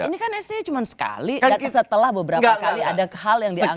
ini kan sti cuma sekali nanti setelah beberapa kali ada hal yang dianggap